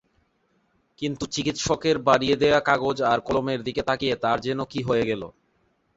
কিন্তু চিকিৎসকের বাড়িয়ে দেয়া কাগজ আর কলমের দিকে তাকিয়ে তার যেন কী হয়ে গেল।